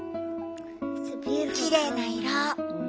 きれいな色。